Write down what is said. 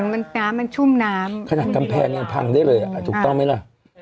มันน้ำมันชุ่มน้ำขนาดกำแพงยังพังได้เลยอ่ะถูกต้องไหมล่ะ